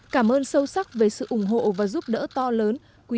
cảm ơn sâu sắc về sự ủng hộ và giúp đỡ to lớn